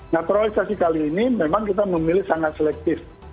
naturalisasi kali ini memang kita memilih sangat selektif